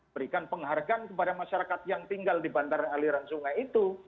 berikan penghargaan kepada masyarakat yang tinggal di bantaran aliran sungai itu